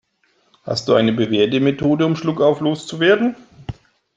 Hast du eine bewährte Methode, um Schluckauf loszuwerden?